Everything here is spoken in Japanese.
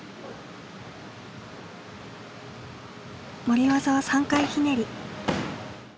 降り技は３回ひねり。